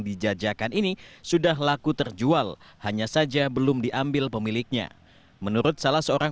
dijajakan ini sudah laku terjual hanya saja belum diambil pemiliknya menurut salah seorang